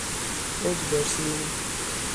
Ew dibersivînin.